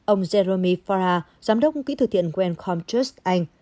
ông jeremy farrar giám đốc kỹ thừa thiện wellcome trust anh